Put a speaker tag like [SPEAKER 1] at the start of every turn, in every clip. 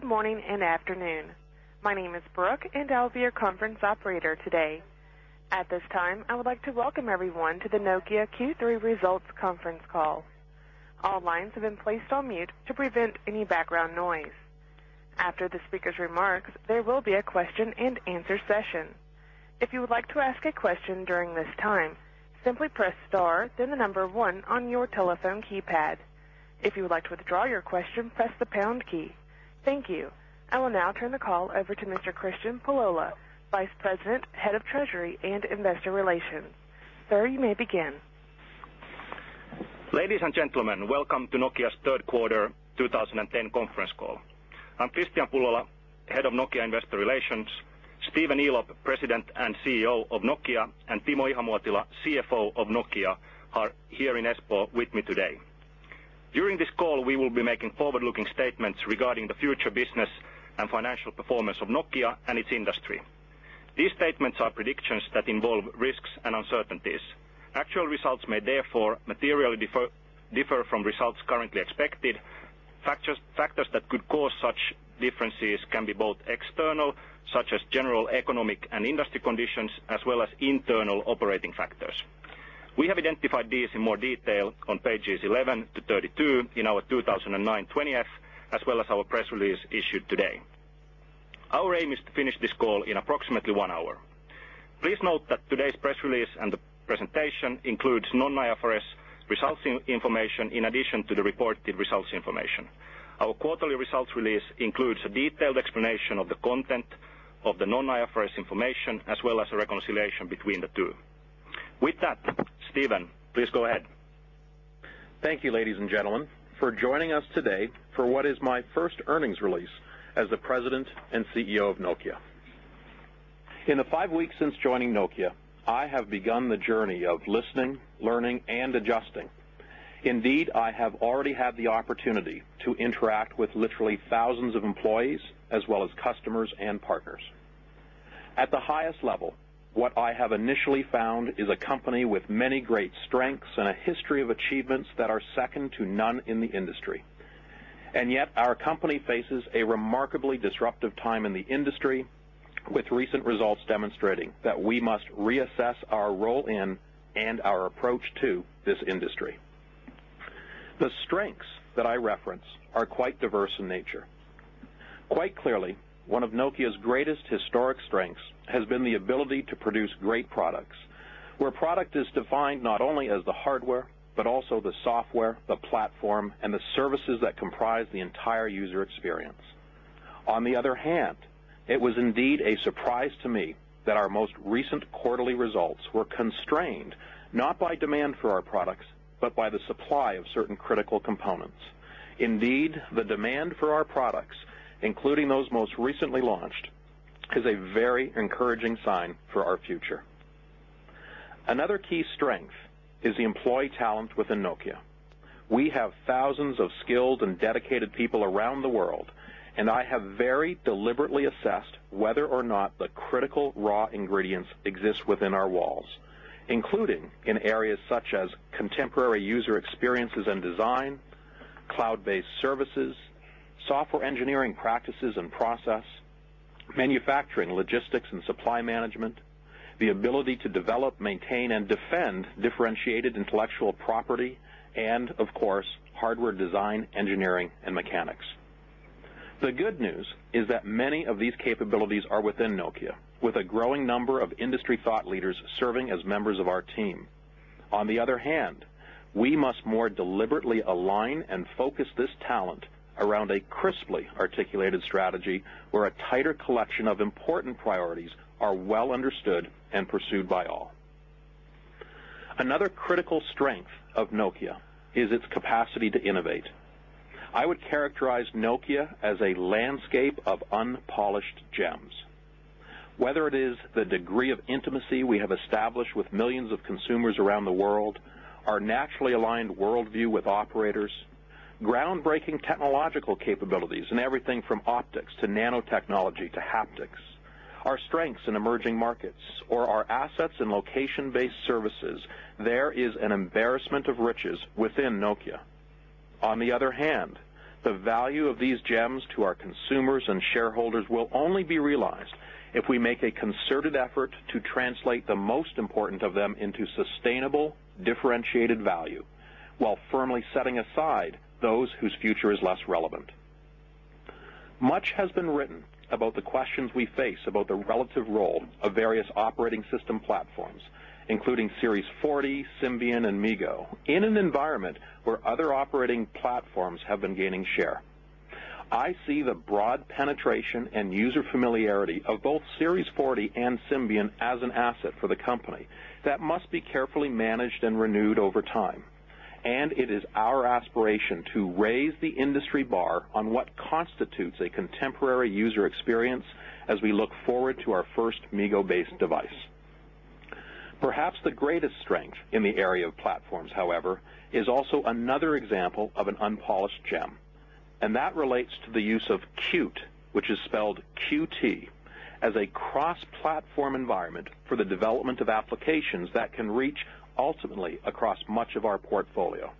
[SPEAKER 1] Good morning and afternoon. My name is Brooke and I'll be your conference operator today. At this time, I would like to welcome everyone to the Nokia Q3 Results conference call. All lines have been placed on mute to prevent any background noise. After the speaker's remarks, there will be a question-and-answer session. If you would like to ask a question during this time, simply press star, then the number one on your telephone keypad. If you would like to withdraw your question, press the pound key. Thank you. I will now turn the call over to Mr. Kristian Pullola, Vice President, Head of Treasury and Investor Relations. Sir, you may begin.
[SPEAKER 2] Ladies and gentlemen, welcome to Nokia's third quarter 2010 conference call. I'm Kristian Pullola, Head of Nokia Investor Relations. Stephen Elop, President and CEO of Nokia, and Timo Ihamuotila, CFO of Nokia, are here in Espoo with me today. During this call, we will be making forward-looking statements regarding the future business and financial performance of Nokia and its industry. These statements are predictions that involve risks and uncertainties. Actual results may therefore materially differ from results currently expected. Factors that could cause such differences can be both external, such as general economic and industry conditions, as well as internal operating factors. We have identified these in more detail on pages 11-32 in our 2009 20-F, as well as our press release issued today. Our aim is to finish this call in approximately one hour. Please note that today's press release and the presentation includes non-IFRS results information in addition to the reported results information. Our quarterly results release includes a detailed explanation of the content of the non-IFRS information, as well as a reconciliation between the two. With that, Stephen, please go ahead.
[SPEAKER 3] Thank you, ladies and gentlemen, for joining us today for what is my first earnings release as the President and CEO of Nokia. In the five weeks since joining Nokia, I have begun the journey of listening, learning, and adjusting. Indeed, I have already had the opportunity to interact with literally thousands of employees, as well as customers and partners. At the highest level, what I have initially found is a company with many great strengths and a history of achievements that are second to none in the industry. And yet, our company faces a remarkably disruptive time in the industry, with recent results demonstrating that we must reassess our role in and our approach to this industry. The strengths that I reference are quite diverse in nature. Quite clearly, one of Nokia's greatest historic strengths has been the ability to produce great products, where product is defined not only as the hardware but also the software, the platform, and the services that comprise the entire user experience. On the other hand, it was indeed a surprise to me that our most recent quarterly results were constrained not by demand for our products but by the supply of certain critical components. Indeed, the demand for our products, including those most recently launched, is a very encouraging sign for our future. Another key strength is the employee talent within Nokia. We have thousands of skilled and dedicated people around the world, and I have very deliberately assessed whether or not the critical raw ingredients exist within our walls, including in areas such as contemporary user experiences and design, cloud-based services, software engineering practices and process, manufacturing, logistics, and supply management, the ability to develop, maintain, and defend differentiated intellectual property, and, of course, hardware design, engineering, and mechanics. The good news is that many of these capabilities are within Nokia, with a growing number of industry thought leaders serving as members of our team. On the other hand, we must more deliberately align and focus this talent around a crisply articulated strategy where a tighter collection of important priorities are well understood and pursued by all. Another critical strength of Nokia is its capacity to innovate. I would characterize Nokia as a landscape of unpolished gems. Whether it is the degree of intimacy we have established with millions of consumers around the world, our naturally aligned worldview with operators, groundbreaking technological capabilities in everything from optics to nanotechnology to haptics, our strengths in emerging markets, or our assets in location-based services, there is an embarrassment of riches within Nokia. On the other hand, the value of these gems to our consumers and shareholders will only be realized if we make a concerted effort to translate the most important of them into sustainable, differentiated value while firmly setting aside those whose future is less relevant. Much has been written about the questions we face about the relative role of various operating system platforms, including Series 40, Symbian, and MeeGo, in an environment where other operating platforms have been gaining share. I see the broad penetration and user familiarity of both Series 40 and Symbian as an asset for the company that must be carefully managed and renewed over time. It is our aspiration to raise the industry bar on what constitutes a contemporary user experience as we look forward to our first MeeGo-based device. Perhaps the greatest strength in the area of platforms, however, is also another example of an unpolished gem. That relates to the use of Qt, which is spelled Q-T, as a cross-platform environment for the development of applications that can reach ultimately across much of our portfolio.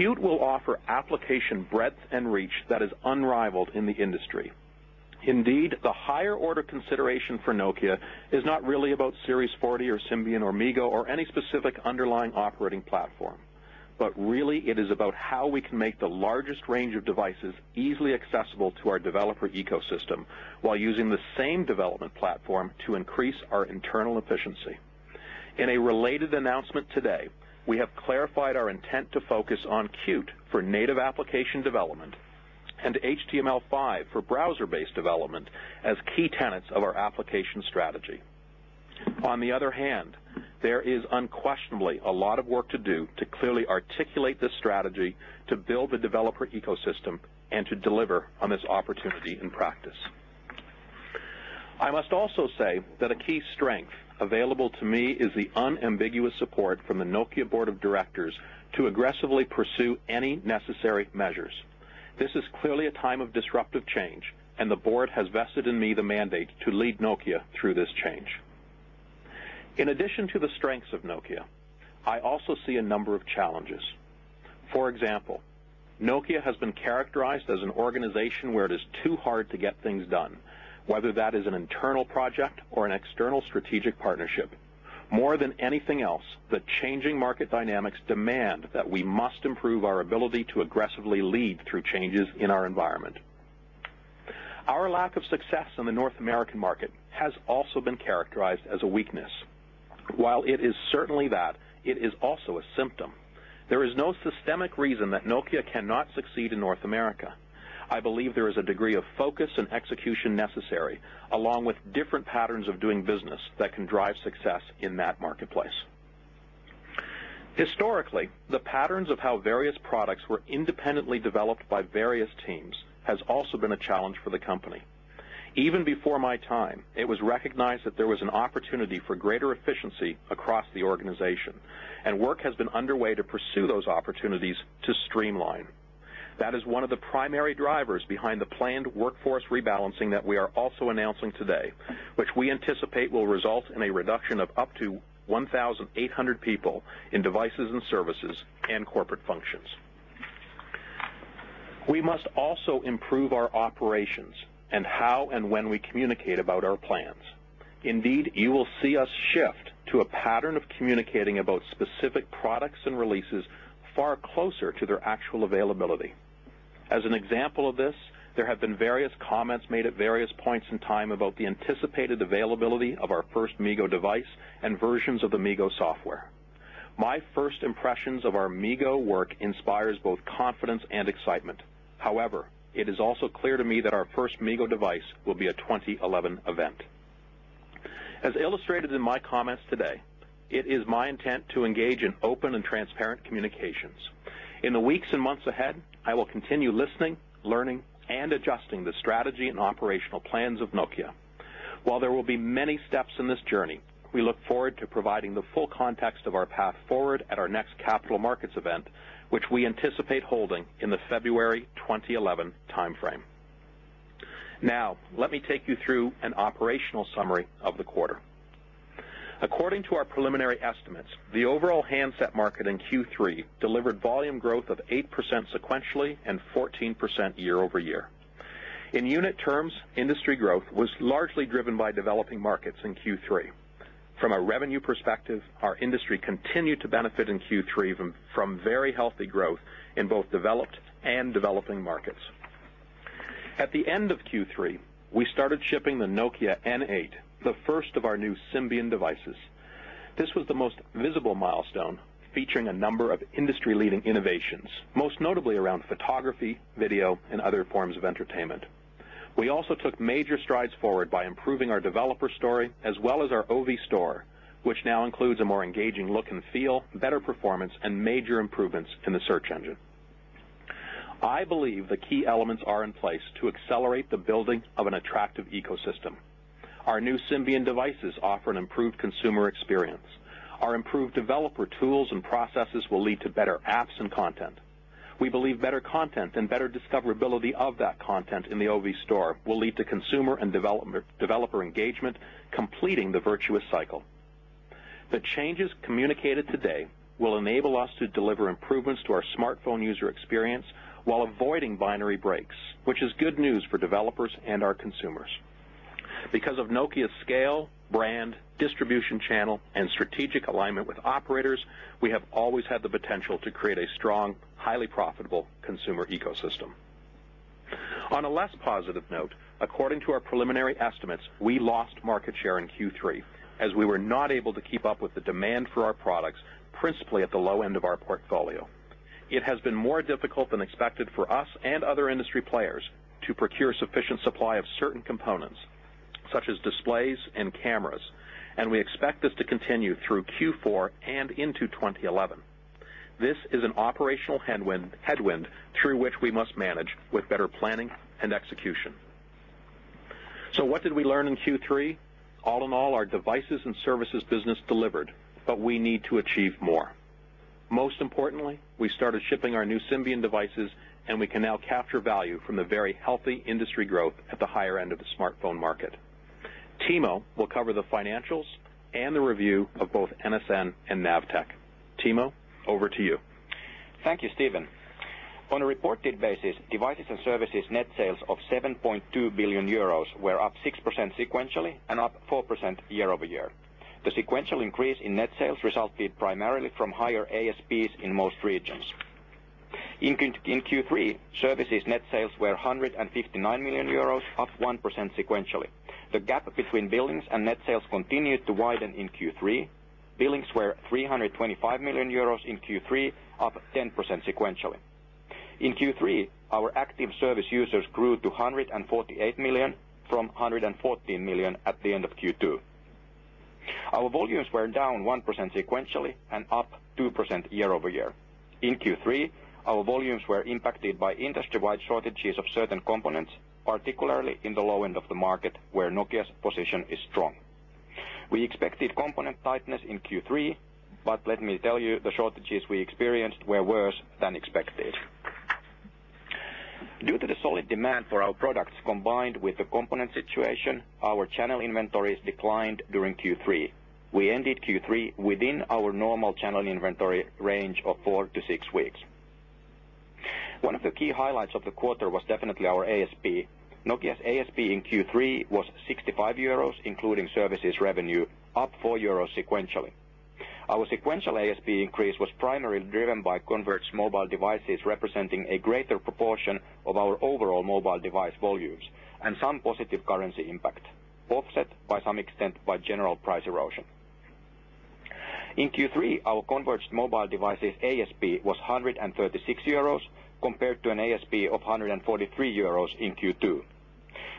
[SPEAKER 3] Qt will offer application breadth and reach that is unrivaled in the industry. Indeed, the higher-order consideration for Nokia is not really about Series 40 or Symbian or MeeGo or any specific underlying operating platform. But really, it is about how we can make the largest range of devices easily accessible to our developer ecosystem while using the same development platform to increase our internal efficiency. In a related announcement today, we have clarified our intent to focus on Qt for native application development and HTML5 for browser-based development as key tenets of our application strategy. On the other hand, there is unquestionably a lot of work to do to clearly articulate this strategy, to build the developer ecosystem, and to deliver on this opportunity in practice. I must also say that a key strength available to me is the unambiguous support from the Nokia Board of Directors to aggressively pursue any necessary measures. This is clearly a time of disruptive change, and the board has vested in me the mandate to lead Nokia through this change. In addition to the strengths of Nokia, I also see a number of challenges. For example, Nokia has been characterized as an organization where it is too hard to get things done, whether that is an internal project or an external strategic partnership, more than anything else that changing market dynamics demand that we must improve our ability to aggressively lead through changes in our environment. Our lack of success in the North American market has also been characterized as a weakness. While it is certainly that, it is also a symptom. There is no systemic reason that Nokia cannot succeed in North America. I believe there is a degree of focus and execution necessary, along with different patterns of doing business that can drive success in that marketplace. Historically, the patterns of how various products were independently developed by various teams have also been a challenge for the company. Even before my time, it was recognized that there was an opportunity for greater efficiency across the organization, and work has been underway to pursue those opportunities to streamline. That is one of the primary drivers behind the planned workforce rebalancing that we are also announcing today, which we anticipate will result in a reduction of up to 1,800 people in devices and services and corporate functions. We must also improve our operations and how and when we communicate about our plans. Indeed, you will see us shift to a pattern of communicating about specific products and releases far closer to their actual availability. As an example of this, there have been various comments made at various points in time about the anticipated availability of our first MeeGo device and versions of the MeeGo software. My first impressions of our MeeGo work inspire both confidence and excitement. However, it is also clear to me that our first MeeGo device will be a 2011 event. As illustrated in my comments today, it is my intent to engage in open and transparent communications. In the weeks and months ahead, I will continue listening, learning, and adjusting the strategy and operational plans of Nokia. While there will be many steps in this journey, we look forward to providing the full context of our path forward at our next capital markets event, which we anticipate holding in the February 2011 time frame. Now, let me take you through an operational summary of the quarter. According to our preliminary estimates, the overall handset market in Q3 delivered volume growth of 8% sequentially and 14% year-over-year. In unit terms, industry growth was largely driven by developing markets in Q3. From a revenue perspective, our industry continued to benefit in Q3 from very healthy growth in both developed and developing markets. At the end of Q3, we started shipping the Nokia N8, the first of our new Symbian devices. This was the most visible milestone, featuring a number of industry-leading innovations, most notably around photography, video, and other forms of entertainment. We also took major strides forward by improving our developer story as well as our Ovi Store, which now includes a more engaging look and feel, better performance, and major improvements in the search engine. I believe the key elements are in place to accelerate the building of an attractive ecosystem. Our new Symbian devices offer an improved consumer experience. Our improved developer tools and processes will lead to better apps and content. We believe better content and better discoverability of that content in the Ovi Store will lead to consumer and developer engagement, completing the virtuous cycle. The changes communicated today will enable us to deliver improvements to our smartphone user experience while avoiding binary breaks, which is good news for developers and our consumers. Because of Nokia's scale, brand, distribution channel, and strategic alignment with operators, we have always had the potential to create a strong, highly profitable consumer ecosystem. On a less positive note, according to our preliminary estimates, we lost market share in Q3 as we were not able to keep up with the demand for our products principally at the low end of our portfolio. It has been more difficult than expected for us and other industry players to procure sufficient supply of certain components, such as displays and cameras, and we expect this to continue through Q4 and into 2011. This is an operational headwind through which we must manage with better planning and execution. What did we learn in Q3? All in all, our devices and services business delivered, but we need to achieve more. Most importantly, we started shipping our new Symbian devices, and we can now capture value from the very healthy industry growth at the higher end of the smartphone market. Timo will cover the financials and the review of both NSN and NAVTEQ. Timo, over to you.
[SPEAKER 4] Thank you, Stephen. On a reported basis, devices and services net sales of 7.2 billion euros were up 6% sequentially and up 4% year-over-year. The sequential increase in net sales resulted primarily from higher ASPs in most regions. In Q3, services net sales were 159 million euros, up 1% sequentially. The gap between billings and net sales continued to widen in Q3. Billings were 325 million euros in Q3, up 10% sequentially. In Q3, our active service users grew to 148 million from 114 million at the end of Q2. Our volumes were down 1% sequentially and up 2% year-over-year. In Q3, our volumes were impacted by industry-wide shortages of certain components, particularly in the low end of the market where Nokia's position is strong. We expected component tightness in Q3, but let me tell you, the shortages we experienced were worse than expected. Due to the solid demand for our products combined with the component situation, our channel inventories declined during Q3. We ended Q3 within our normal channel inventory range of four to six weeks. One of the key highlights of the quarter was definitely our ASP. Nokia's ASP in Q3 was 65 euros, including services revenue, up 4 euros sequentially. Our sequential ASP increase was primarily driven by converged mobile devices representing a greater proportion of our overall mobile device volumes and some positive currency impact, offset by some extent by general price erosion. In Q3, our converged mobile devices ASP was 136 euros compared to an ASP of 143 euros in Q2.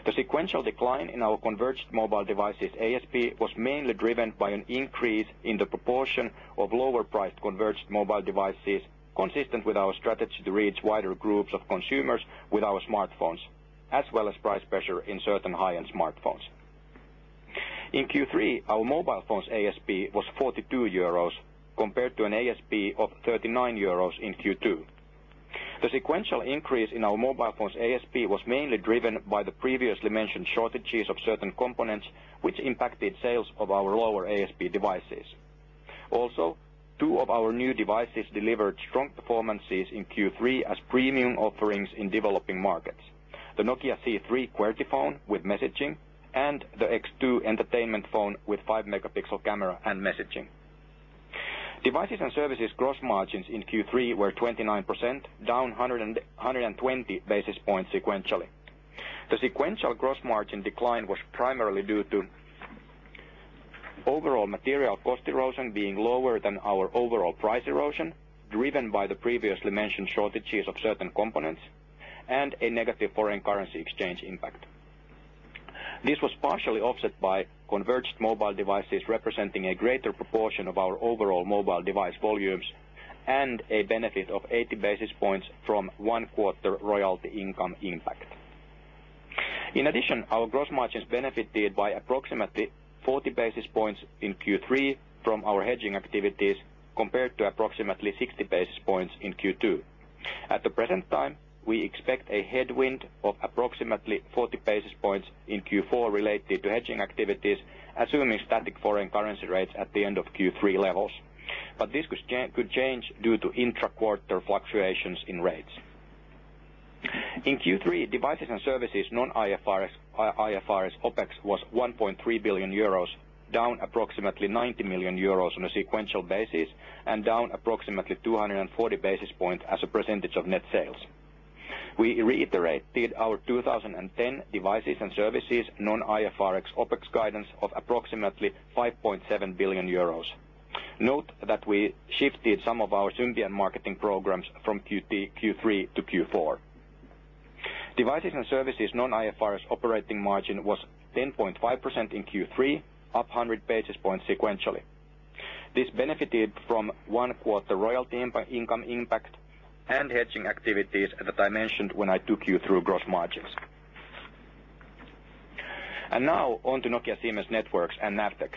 [SPEAKER 4] The sequential decline in our converged mobile devices ASP was mainly driven by an increase in the proportion of lower-priced converged mobile devices consistent with our strategy to reach wider groups of consumers with our smartphones, as well as price pressure in certain high-end smartphones. In Q3, our mobile phones ASP was 42 euros compared to an ASP of 39 euros in Q2. The sequential increase in our mobile phones ASP was mainly driven by the previously mentioned shortages of certain components, which impacted sales of our lower ASP devices. Also, two of our new devices delivered strong performances in Q3 as premium offerings in developing markets: the Nokia C3 QWERTY phone with messaging and the X2 entertainment phone with 5-megapixel camera and messaging. Devices and services gross margins in Q3 were 29%, down 120 basis points sequentially. The sequential gross margin decline was primarily due to overall material cost erosion being lower than our overall price erosion, driven by the previously mentioned shortages of certain components, and a negative foreign currency exchange impact. This was partially offset by converged mobile devices representing a greater proportion of our overall mobile device volumes and a benefit of 80 basis points from one-quarter royalty income impact. In addition, our gross margins benefited by approximately 40 basis points in Q3 from our hedging activities compared to approximately 60 basis points in Q2. At the present time, we expect a headwind of approximately 40 basis points in Q4 related to hedging activities, assuming static foreign currency rates at the end of Q3 levels. But this could change due to intra-quarter fluctuations in rates. In Q3, devices and services non-IFRS OpEx was 1.3 billion euros, down approximately 90 million euros on a sequential basis and down approximately 240 basis points as a percentage of net sales. We reiterated our 2010 devices and services non-IFRS OpEx guidance of approximately 5.7 billion euros. Note that we shifted some of our Symbian marketing programs from Q3 to Q4. Devices and services non-IFRS operating margin was 10.5% in Q3, up 100 basis points sequentially. This benefited from one-quarter royalty income impact and hedging activities that I mentioned when I took you through gross margins. And now on to Nokia Siemens Networks and NAVTEQ.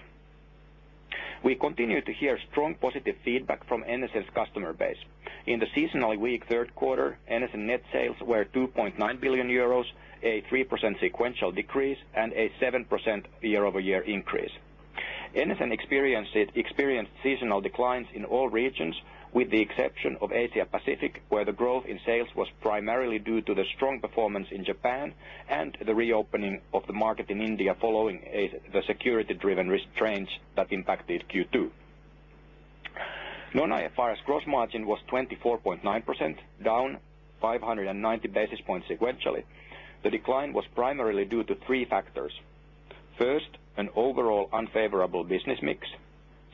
[SPEAKER 4] We continue to hear strong positive feedback from NSN's customer base. In the seasonally weak third quarter, NSN net sales were 2.9 billion euros, a 3% sequential decrease, and a 7% year-over-year increase. NSN experienced seasonal declines in all regions, with the exception of Asia-Pacific, where the growth in sales was primarily due to the strong performance in Japan and the reopening of the market in India following the security-driven restraints that impacted Q2. Non-IFRS gross margin was 24.9%, down 590 basis points sequentially. The decline was primarily due to three factors. First, an overall unfavorable business mix.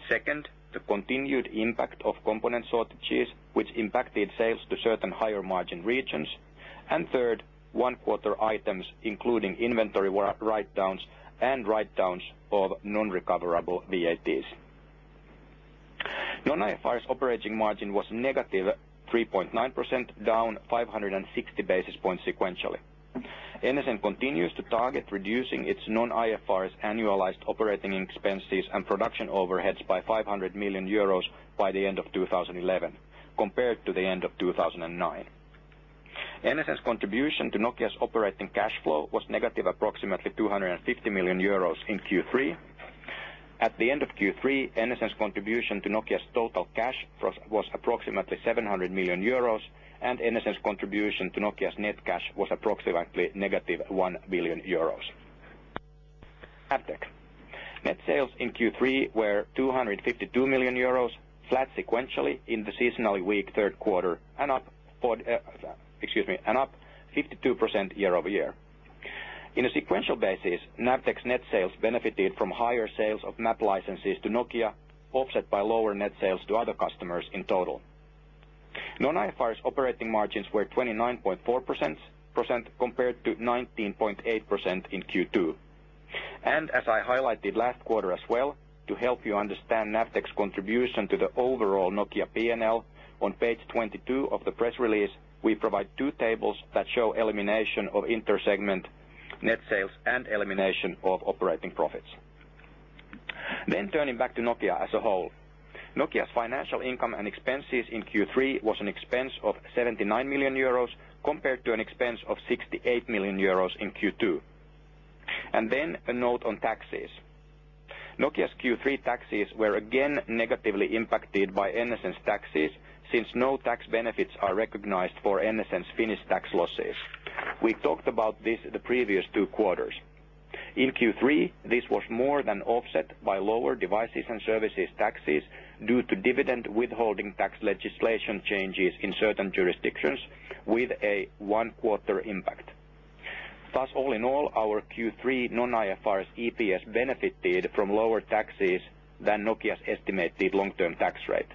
[SPEAKER 4] Second, the continued impact of component shortages, which impacted sales to certain higher margin regions. And third, one-quarter items, including inventory write-downs and write-downs of non-recoverable VATs. Non-IFRS operating margin was -3.9%, down 560 basis points sequentially. NSN continues to target reducing its non-IFRS annualized operating expenses and production overheads by 500 million euros by the end of 2011 compared to the end of 2009. NSN's contribution to Nokia's operating cash flow was negative approximately 250 million euros in Q3. At the end of Q3, NSN's contribution to Nokia's total cash was approximately 700 million euros, and NSN's contribution to Nokia's net cash was approximately negative 1 billion euros. NAVTEQ: net sales in Q3 were 252 million euros, flat sequentially in the seasonally weak third quarter and up 52% year-over-year. In a sequential basis, NAVTEQ's net sales benefited from higher sales of map licenses to Nokia, offset by lower net sales to other customers in total. Non-IFRS operating margins were 29.4% compared to 19.8% in Q2. As I highlighted last quarter as well, to help you understand NAVTEQ's contribution to the overall Nokia P&L, on page 22 of the press release, we provide two tables that show elimination of intersegment net sales and elimination of operating profits. Turning back to Nokia as a whole. Nokia's financial income and expenses in Q3 was an expense of 79 million euros compared to an expense of 68 million euros in Q2. And then a note on taxes. Nokia's Q3 taxes were again negatively impacted by NSN's taxes since no tax benefits are recognized for NSN's finished tax losses. We talked about this the previous two quarters. In Q3, this was more than offset by lower devices and services taxes due to dividend withholding tax legislation changes in certain jurisdictions with a one-quarter impact. Thus, all in all, our Q3 non-IFRS EPS benefited from lower taxes than Nokia's estimated long-term tax rate.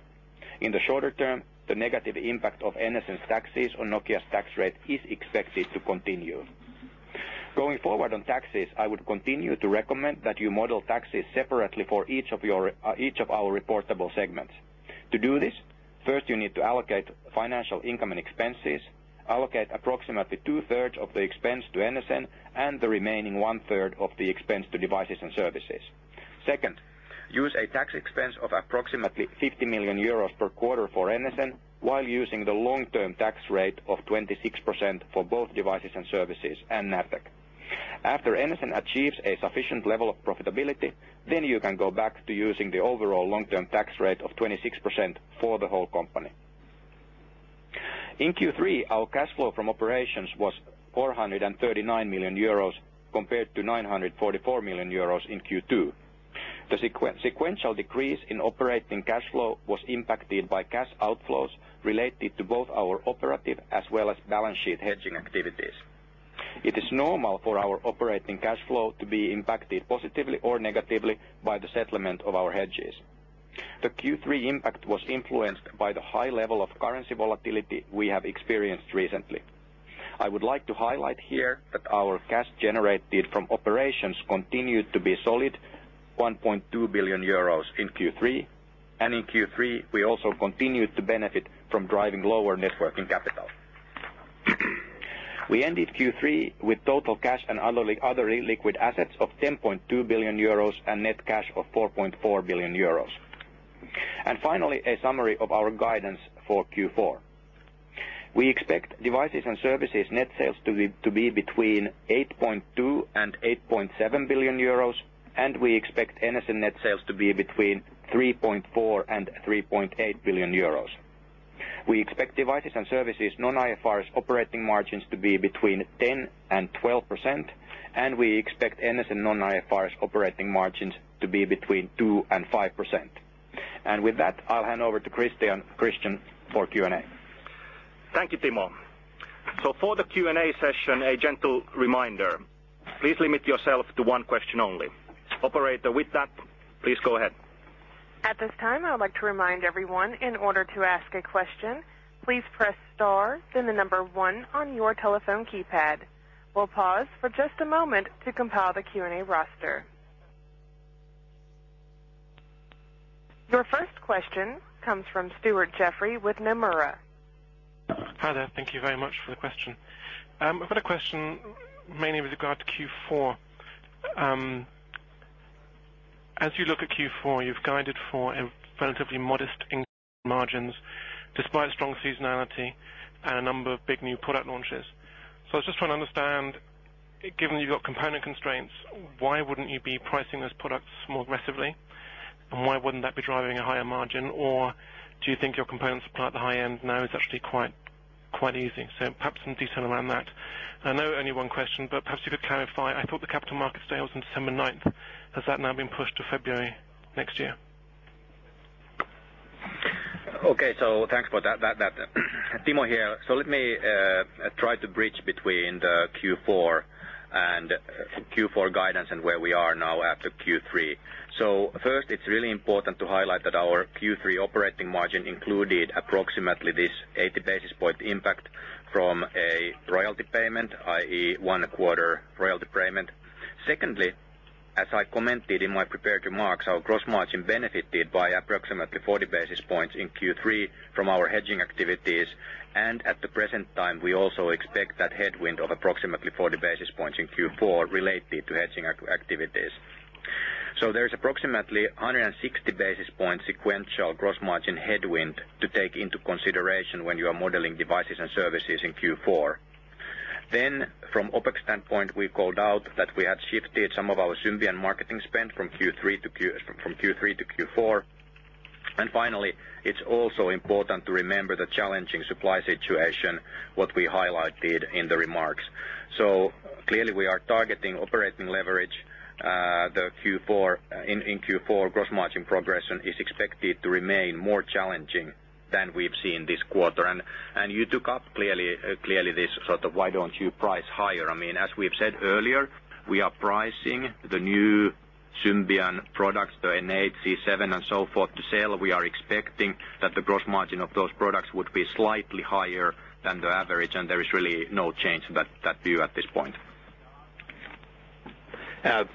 [SPEAKER 4] In the shorter term, the negative impact of NSN's taxes on Nokia's tax rate is expected to continue. Going forward on taxes, I would continue to recommend that you model taxes separately for each of our reportable segments. To do this, first you need to allocate financial income and expenses, allocate approximately two-thirds of the expense to NSN, and the remaining one-third of the expense to devices and services. Second, use a tax expense of approximately 50 million euros per quarter for NSN while using the long-term tax rate of 26% for both devices and services and NAVTEQ. After NSN achieves a sufficient level of profitability, then you can go back to using the overall long-term tax rate of 26% for the whole company. In Q3, our cash flow from operations was 439 million euros compared to 944 million euros in Q2. The sequential decrease in operating cash flow was impacted by cash outflows related to both our operative as well as balance sheet hedging activities. It is normal for our operating cash flow to be impacted positively or negatively by the settlement of our hedges. The Q3 impact was influenced by the high level of currency volatility we have experienced recently. I would like to highlight here that our cash generated from operations continued to be solid 1.2 billion euros in Q3, and in Q3 we also continued to benefit from driving lower working capital. We ended Q3 with total cash and other liquid assets of 10.2 billion euros and net cash of 4.4 billion euros. And finally, a summary of our guidance for Q4: we expect devices and services net sales to be between 8.2 billion and 8.7 billion euros, and we expect NSN net sales to be between 3.4 billion and 3.8 billion euros. We expect devices and services non-IFRS operating margins to be between 10%-12%, and we expect NSN non-IFRS operating margins to be between 2%-5%. And with that, I'll hand over to Kristian for Q&A.
[SPEAKER 2] Thank you, Timo. So for the Q&A session, a gentle reminder: please limit yourself to one question only. Operator, with that, please go ahead.
[SPEAKER 1] At this time, I would like to remind everyone, in order to ask a question, please press star, then the number one on your telephone keypad. We'll pause for just a moment to compile the Q&A roster. Your first question comes from Stuart Jeffrey with Nomura.
[SPEAKER 5] Hi there. Thank you very much for the question. I've got a question mainly with regard to Q4. As you look at Q4, you've guided for relatively modest margins despite strong seasonality and a number of big new product launches. So I was just trying to understand, given you've got component constraints, why wouldn't you be pricing those products more aggressively, and why wouldn't that be driving a higher margin? Or do you think your component supply at the high end now is actually quite easy? So perhaps some detail around that. I know only one question, but perhaps you could clarify. I thought the Capital Markets Day on December 9th. Has that now been pushed to February next year?
[SPEAKER 4] Okay. So thanks for that. Timo here. So let me try to bridge between the Q4 guidance and where we are now after Q3. So first, it's really important to highlight that our Q3 operating margin included approximately this 80 basis points impact from a royalty payment, i.e., one-quarter royalty payment. Secondly, as I commented in my preparatory remarks, our gross margin benefited by approximately 40 basis points in Q3 from our hedging activities, and at the present time, we also expect that headwind of approximately 40 basis points in Q4 related to hedging activities. So there is approximately 160 basis points sequential gross margin headwind to take into consideration when you are modeling devices and services in Q4. Then, from OpEx standpoint, we called out that we had shifted some of our Symbian marketing spend from Q3 to Q4. And finally, it's also important to remember the challenging supply situation, what we highlighted in the remarks. So clearly, we are targeting operating leverage in Q4. Gross margin progression is expected to remain more challenging than we've seen this quarter. And you took up clearly this sort of, "Why don't you price higher?" I mean, as we've said earlier, we are pricing the new Symbian products, the N8, C7, and so forth to sell. We are expecting that the gross margin of those products would be slightly higher than the average, and there is really no change in that view at this point.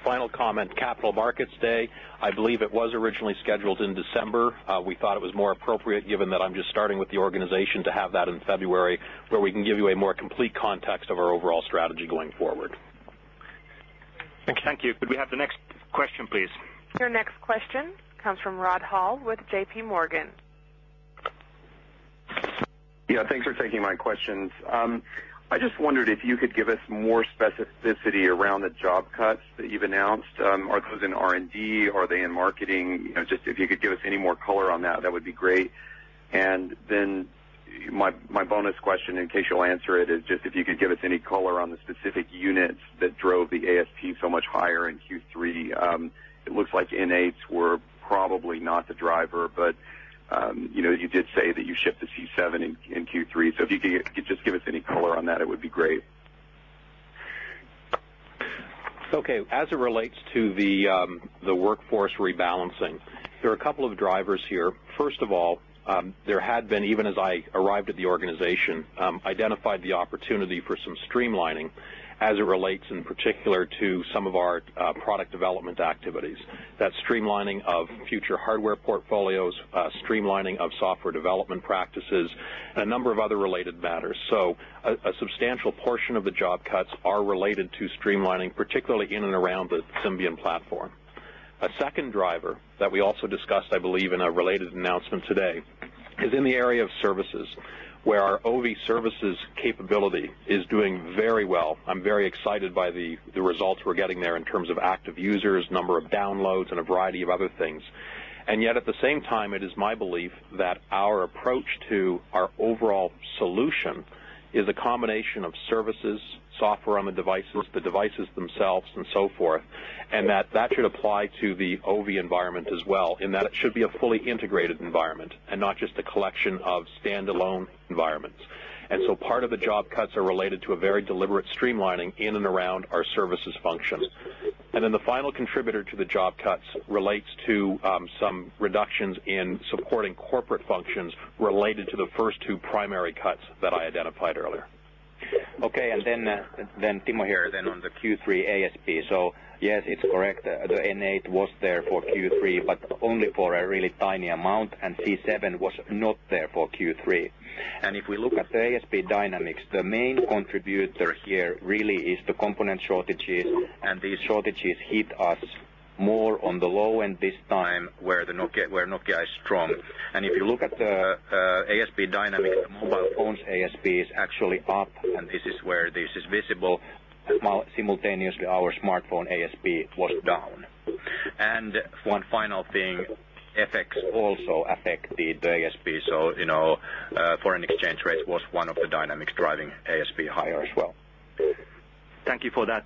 [SPEAKER 3] Final comment: Capital Markets Day. I believe it was originally scheduled in December. We thought it was more appropriate, given that I'm just starting with the organization, to have that in February, where we can give you a more complete context of our overall strategy going forward. Thank you. Could we have the next question, please?
[SPEAKER 1] Your next question comes from Rod Hall with JPMorgan.
[SPEAKER 6] Yeah. Thanks for taking my questions. I just wondered if you could give us more specificity around the job cuts that you've announced. Are those in R&D? Are they in marketing? Just if you could give us any more color on that, that would be great. And then my bonus question, in case you'll answer it, is just if you could give us any color on the specific units that drove the ASP so much higher in Q3. It looks like N8s were probably not the driver, but you did say that you shipped the C7 in Q3. So if you could just give us any color on that, it would be great.
[SPEAKER 3] Okay. As it relates to the workforce rebalancing, there are a couple of drivers here. First of all, there had been, even as I arrived at the organization, identified the opportunity for some streamlining as it relates, in particular, to some of our product development activities. That streamlining of future hardware portfolios, streamlining of software development practices, and a number of other related matters. So a substantial portion of the job cuts are related to streamlining, particularly in and around the Symbian platform. A second driver that we also discussed, I believe, in a related announcement today is in the area of services, where our Ovi services capability is doing very well. I'm very excited by the results we're getting there in terms of active users, number of downloads, and a variety of other things. And yet, at the same time, it is my belief that our approach to our overall solution is a combination of services, software on the devices, the devices themselves, and so forth, and that that should apply to the Ovi environment as well, in that it should be a fully integrated environment and not just a collection of standalone environments. And so part of the job cuts are related to a very deliberate streamlining in and around our services functions. And then the final contributor to the job cuts relates to some reductions in supporting corporate functions related to the first two primary cuts that I identified earlier.
[SPEAKER 4] Okay. And then, Timo here, then on the Q3 ASP. So yes, it's correct. The N8 was there for Q3, but only for a really tiny amount, and C7 was not there for Q3. If we look at the ASP dynamics, the main contributor here really is the component shortages, and these shortages hit us more on the low end this time, where Nokia is strong. If you look at the ASP dynamics, the mobile phones ASP is actually up, and this is where this is visible. Simultaneously, our smartphone ASP was down. One final thing, FX also affected the ASP. So foreign exchange rate was one of the dynamics driving ASP higher as well.
[SPEAKER 3] Thank you for that.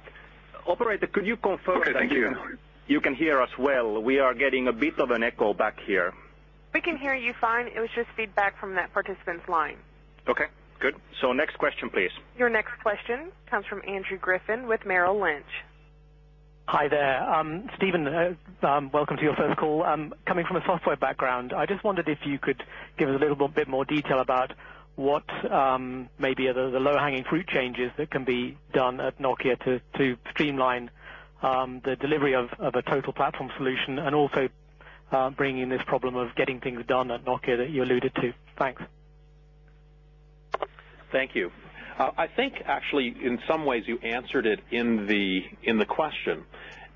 [SPEAKER 3] Operator, could you confirm that you can hear us well? We are getting a bit of an echo back here.
[SPEAKER 1] We can hear you fine. It was just feedback from that participant's line.
[SPEAKER 3] Okay. Good. Next question, please.
[SPEAKER 1] Your next question comes from Andrew Griffin with Merrill Lynch.
[SPEAKER 7] Hi there. Stephen, welcome to your phone call. Coming from a software background, I just wondered if you could give us a little bit more detail about what may be the low-hanging fruit changes that can be done at Nokia to streamline the delivery of a total platform solution and also bringing this problem of getting things done at Nokia that you alluded to? Thanks.
[SPEAKER 3] Thank you. I think, actually, in some ways, you answered it in the question,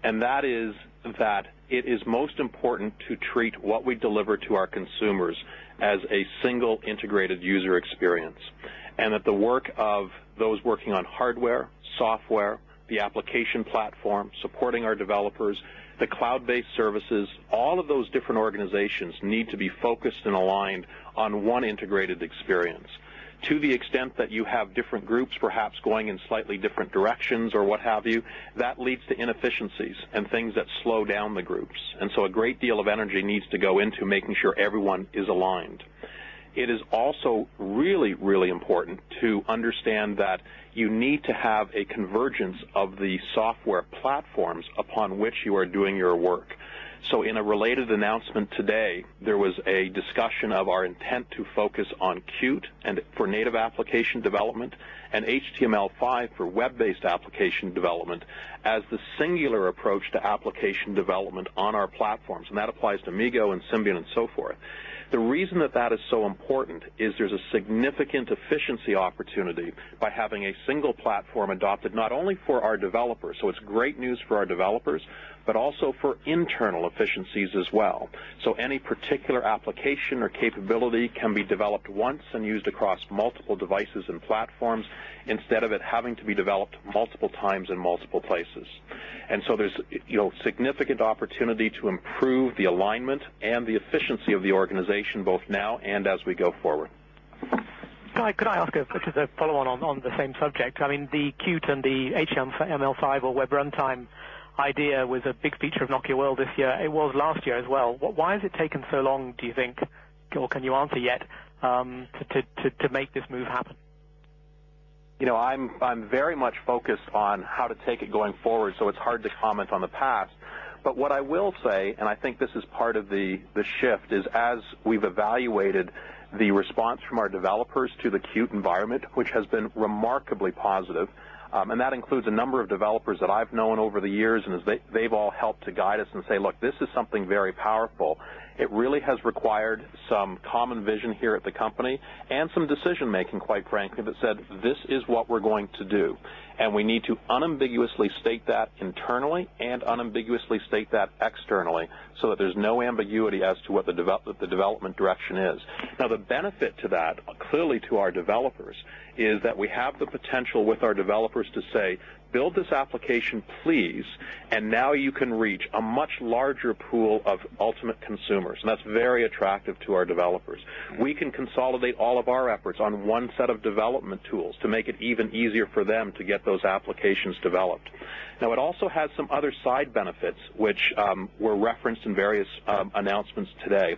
[SPEAKER 3] and that is that it is most important to treat what we deliver to our consumers as a single integrated user experience, and that the work of those working on hardware, software, the application platform, supporting our developers, the cloud-based services, all of those different organizations need to be focused and aligned on one integrated experience. To the extent that you have different groups, perhaps going in slightly different directions or what have you, that leads to inefficiencies and things that slow down the groups. And so a great deal of energy needs to go into making sure everyone is aligned. It is also really, really important to understand that you need to have a convergence of the software platforms upon which you are doing your work. So in a related announcement today, there was a discussion of our intent to focus on Qt for native application development and HTML5 for web-based application development as the singular approach to application development on our platforms. And that applies to MeeGo, and Symbian, and so forth. The reason that that is so important is there's a significant efficiency opportunity by having a single platform adopted not only for our developers - so it's great news for our developers - but also for internal efficiencies as well. So any particular application or capability can be developed once and used across multiple devices and platforms instead of it having to be developed multiple times in multiple places. And so there's significant opportunity to improve the alignment and the efficiency of the organization both now and as we go forward.
[SPEAKER 7] Could I ask a follow-on on the same subject? I mean, the Qt and the HTML5 or web runtime idea was a big feature of Nokia World this year. It was last year as well. Why has it taken so long, do you think? Or can you answer yet to make this move happen?
[SPEAKER 3] I'm very much focused on how to take it going forward, so it's hard to comment on the past. But what I will say, and I think this is part of the shift, is as we've evaluated the response from our developers to the Qt environment, which has been remarkably positive, and that includes a number of developers that I've known over the years, and they've all helped to guide us and say, "Look, this is something very powerful." It really has required some common vision here at the company and some decision-making, quite frankly, that said, "This is what we're going to do." And we need to unambiguously state that internally and unambiguously state that externally so that there's no ambiguity as to what the development direction is. Now, the benefit to that, clearly to our developers, is that we have the potential with our developers to say, "Build this application, please, and now you can reach a much larger pool of ultimate consumers." That's very attractive to our developers. We can consolidate all of our efforts on one set of development tools to make it even easier for them to get those applications developed. Now, it also has some other side benefits, which were referenced in various announcements today,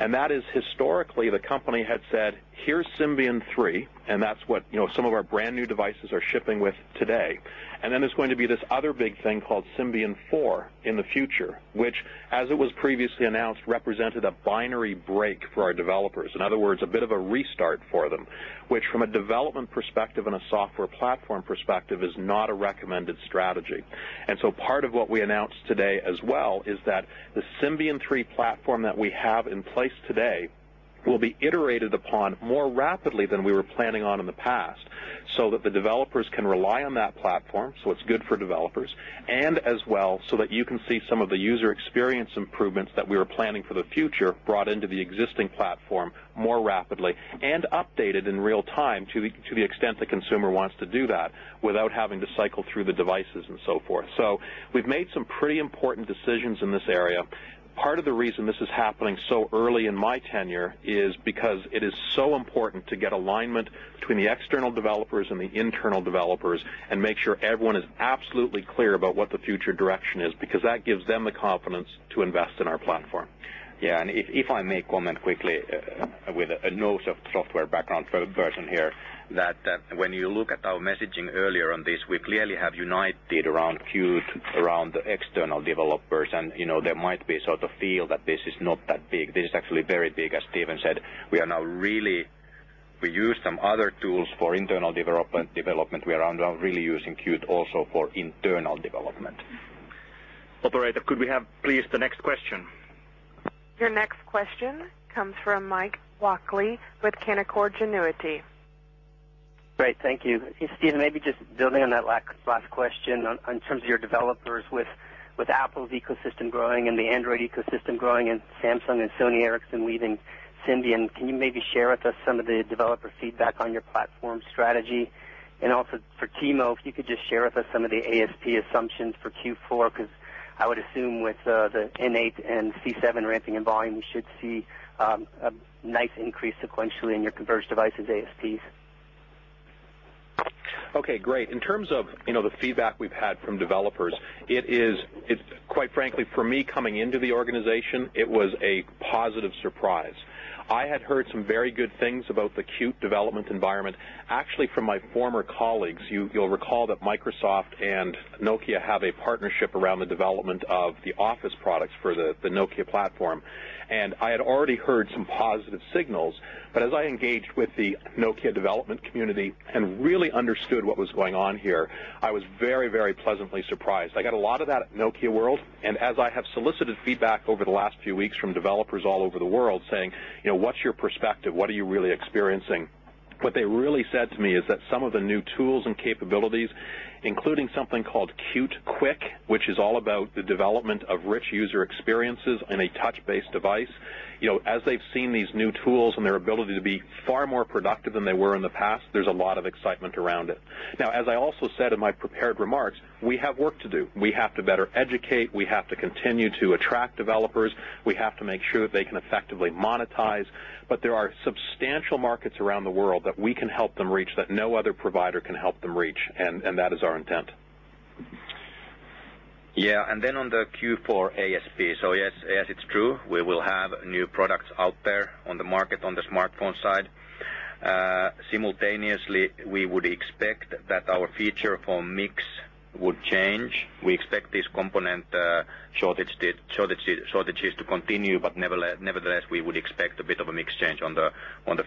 [SPEAKER 3] and that is, historically, the company had said, "Here's Symbian^3," and that's what some of our brand new devices are shipping with today. Then there's going to be this other big thing called Symbian^4 in the future, which, as it was previously announced, represented a binary break for our developers. In other words, a bit of a restart for them, which, from a development perspective and a software platform perspective, is not a recommended strategy. And so part of what we announced today as well is that the Symbian^3 platform that we have in place today will be iterated upon more rapidly than we were planning on in the past so that the developers can rely on that platform, so it's good for developers, and as well so that you can see some of the user experience improvements that we were planning for the future brought into the existing platform more rapidly and updated in real time to the extent the consumer wants to do that without having to cycle through the devices and so forth. So we've made some pretty important decisions in this area. Part of the reason this is happening so early in my tenure is because it is so important to get alignment between the external developers and the internal developers and make sure everyone is absolutely clear about what the future direction is, because that gives them the confidence to invest in our platform.
[SPEAKER 4] Yeah. And if I may comment quickly with a note of software background version here, that when you look at our messaging earlier on this, we clearly have united around Qt, around the external developers, and there might be a sort of feel that this is not that big. This is actually very big, as Stephen said. We are now really we use some other tools for internal development. We are now really using Qt also for internal development.
[SPEAKER 3] Operator, could we have, please, the next question?
[SPEAKER 1] Your next question comes from Mike Walkley with Canaccord Genuity.
[SPEAKER 8] Great. Thank you. Stephen, maybe just building on that last question, in terms of your developers with Apple's ecosystem growing and the Android ecosystem growing and Samsung and Sony Ericsson leaving Symbian, can you maybe share with us some of the developer feedback on your platform strategy? Also for Timo, if you could just share with us some of the ASP assumptions for Q4, because I would assume with the N8 and C7 ramping in volume, we should see a nice increase sequentially in your converged devices ASPs.
[SPEAKER 3] Okay. Great. In terms of the feedback we've had from developers, it is, quite frankly, for me coming into the organization, it was a positive surprise. I had heard some very good things about the Qt development environment, actually from my former colleagues. You'll recall that Microsoft and Nokia have a partnership around the development of the Office products for the Nokia platform, and I had already heard some positive signals. But as I engaged with the Nokia development community and really understood what was going on here, I was very, very pleasantly surprised. I got a lot of that Nokia world, and as I have solicited feedback over the last few weeks from developers all over the world saying, "What's your perspective? What are you really experiencing?" What they really said to me is that some of the new tools and capabilities, including something called Qt Quick, which is all about the development of rich user experiences in a touch-based device, as they've seen these new tools and their ability to be far more productive than they were in the past, there's a lot of excitement around it. Now, as I also said in my prepared remarks, we have work to do. We have to better educate. We have to continue to attract developers. We have to make sure that they can effectively monetize. But there are substantial markets around the world that we can help them reach that no other provider can help them reach, and that is our intent.
[SPEAKER 4] Yeah. And then on the Q4 ASP, so yes, it's true. We will have new products out there on the market on the smartphone side. Simultaneously, we would expect that our feature phone mix would change. We expect these component shortages to continue, but nevertheless, we would expect a bit of a mix change on the